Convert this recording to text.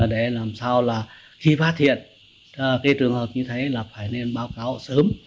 để làm sao là khi phát hiện cái trường hợp như thế là phải nên báo cáo sớm